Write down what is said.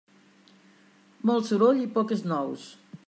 Molt soroll i poques nous.